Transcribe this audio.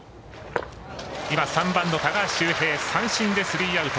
今、３番の高橋周平、三振でスリーアウト。